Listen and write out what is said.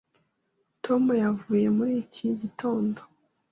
Tom yavuye muri iki gitondo.